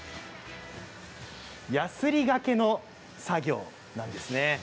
やすりがけの作業です。